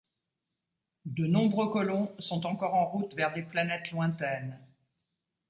De nombreux colons sont encore en route vers des planètes lointaines.